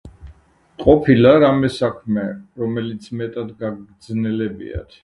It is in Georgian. ყოფილა რამე საქმე რომელიც მეტად გაგძნელებიათ